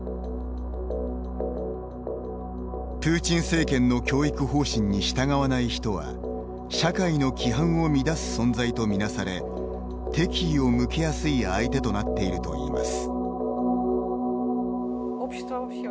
プーチン政権の教育方針に従わない人は社会の規範を乱す存在と見なされ敵意を向けやすい相手となっているといいます。